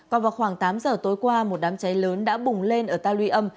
còn vào khoảng tám giờ tối qua một đám cháy lớn đã bùng lên ở ta luy âm